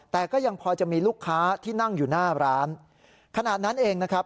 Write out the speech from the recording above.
แต่ก็ยังพอจะมีลูกค้าที่นั่งอยู่หน้าร้านขณะนั้นเองนะครับ